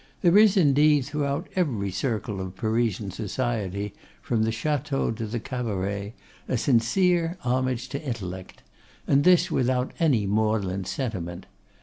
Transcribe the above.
There is, indeed, throughout every circle of Parisian society, from the chateau to the cabaret, a sincere homage to intellect; and this without any maudlin sentiment.